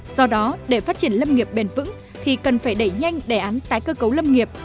do đó để phát triển lâm nghiệp bền vững thì cần phải đẩy nhanh đề án tái cơ cấu lâm nghiệp